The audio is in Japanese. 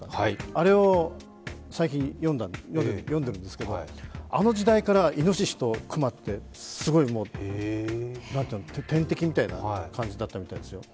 あれを最近読んでるんですけれども、あの時代からいのししと熊ってすごい天敵みたいな感じだったみたいですよ。